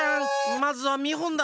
まずはみほんだ！